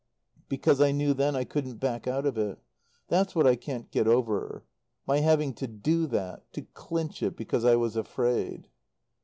Because I knew then I couldn't back out of it. That's what I can't get over my having to do that to clinch it because I was afraid."